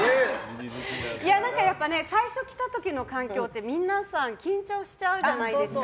やっぱ最初きた時の環境ってみんな緊張しちゃうじゃないですか。